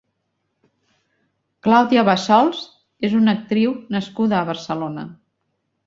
Claudia Bassols és una actriu nascuda a Barcelona.